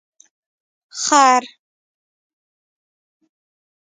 🫏 خر